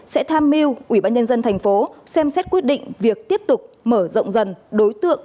sẽ tham mưu ubnd tp hcm xem xét quyết định việc tiếp tục mở rộng dần đối tượng